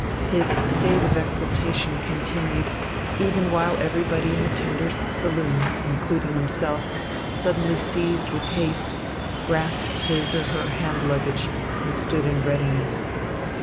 His state of exaltation continued, even while everybody in the tender's saloon, including himself, suddenly seized with haste, grasped his or her hand luggage and stood in readiness.